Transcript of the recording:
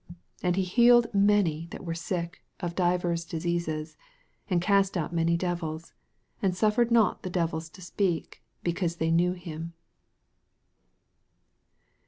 34 And he healed many that were sick of divers diseases, and cast out many devils ; and suffered not the devils to speak, because they knew him.